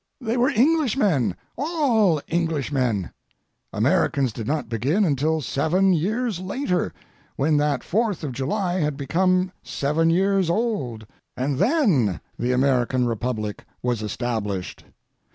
They were Englishmen, all Englishmen—Americans did not begin until seven years later, when that Fourth of July had become seven years old, and then, the American Republic was established.